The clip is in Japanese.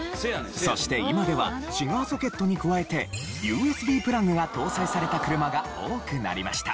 そして今ではシガーソケットに加えてＵＳＢプラグが搭載された車が多くなりました。